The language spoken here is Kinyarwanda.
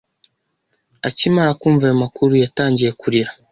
Akimara kumva ayo makuru, yatangiye kurira.